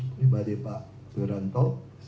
terima kasih pak wiranto